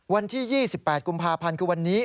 วันที่๒๘กุมภาพันธ์คือวันนี้